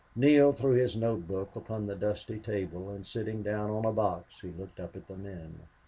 Neale threw his note book upon the dusty table and, sitting down on the box, he looked up at the men.